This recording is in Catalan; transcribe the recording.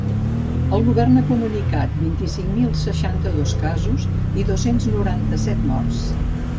El govern ha comunicat vint-i-cinc mil seixanta-dos casos i dos-cents noranta-set morts.